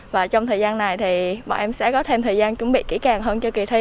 và trong thời gian này thì bọn em sẽ có thêm thời gian chuẩn bị kỹ càng hơn cho kỳ thi